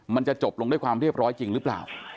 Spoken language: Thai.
มันจะจบลงด้วยความเรียบร้อยจริงหรือเปล่า